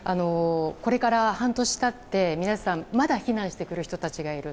これから半年経って、皆さんまだ避難してくる人たちがいる。